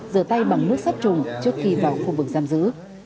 rửa tay bằng nước sát trùng trước khi vào khu vực giam giữ